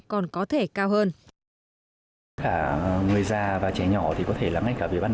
còn có thể cao hơn